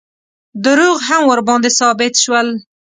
دروغ هم ورباندې ثابت شول.